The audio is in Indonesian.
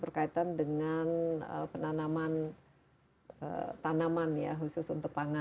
berkaitan dengan penanaman tanaman kota youtun ini euh peraturan tanaman ya